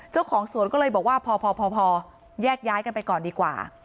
เจ้าของสวนก็เลยบอกว่าพอแยกย้ายกันไปก่อนดีกว่า